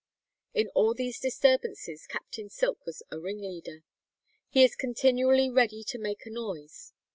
In all these disturbances Captain Silk was a ringleader. He is continually ready to make a noise.